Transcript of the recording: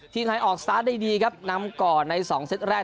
ทีมไทยออกสตาร์ทได้ดีครับนำก่อนใน๒เซตแรก